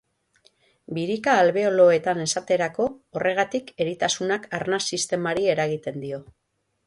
Birika-albeoloetan esaterako, horregatik eritasunak arnas sistemari eragiten dio.